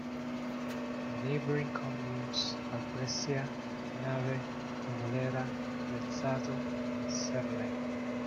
Neighbouring communes are Brescia, Nave, Nuvolera, Rezzato and Serle.